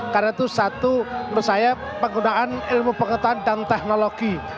karena itu satu menurut saya penggunaan ilmu pengetahuan dan teknologi